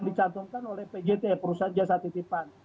dicantumkan oleh pjt perusahaan jasa titipan